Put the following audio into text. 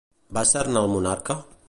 Va ser-ne el monarca?